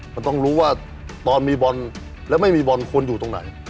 มันต้องรู้ว่าตอนมีบอลและไม่มีบอลควรอยู่ตรงไหน